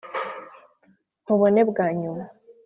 nkubone bwa nyuma